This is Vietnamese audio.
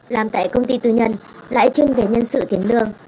làm tại công ty tư nhân lại chuyên về nhân sự tiền lương